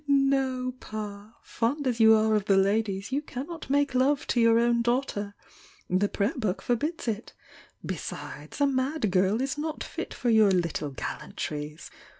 "No, Pa! Fond as you are of the ladies, you can not make love to your own daughter! The Prayer Book forbids! Besides, a mad girl is not fit for your little gallantries!